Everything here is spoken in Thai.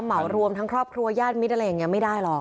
เหมารวมทั้งครอบครัวญาติมิตรอะไรอย่างนี้ไม่ได้หรอก